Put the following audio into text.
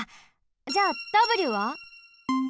じゃあＷは？